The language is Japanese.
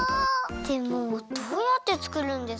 でもどうやってつくるんですか？